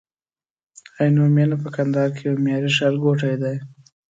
عینومېنه په کندهار کي یو معیاري ښارګوټی دی